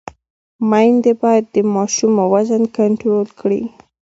میندې باید د ماشوم وزن کنټرول کړي۔